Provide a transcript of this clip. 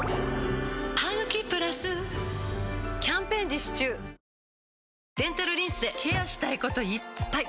「ハグキプラス」キャンペーン実施中デンタルリンスでケアしたいこといっぱい！